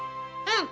うん。